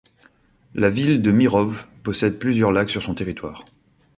La ville de Mirow possède plusieurs lacs sur son territoire.